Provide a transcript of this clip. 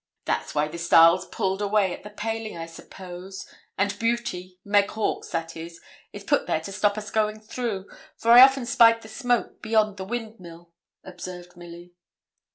'That's why the stile's pulled away at the paling, I suppose; and Beauty Meg Hawkes, that is is put there to stop us going through; for I often spied the smoke beyond the windmill,' observed Milly.